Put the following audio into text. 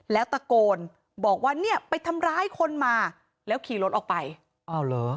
แล้วตะโกนบอกว่าเนี่ยไปทำร้ายคนมาแล้วขี่รถออกไปอ้าวเหรอ